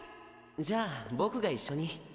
じゃあ僕が一緒に。